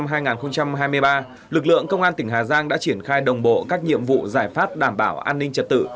năm hai nghìn hai mươi ba lực lượng công an tỉnh hà giang đã triển khai đồng bộ các nhiệm vụ giải pháp đảm bảo an ninh trật tự